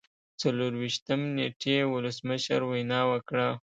څلور ویشتم نیټې ولسمشر وینا وکړه.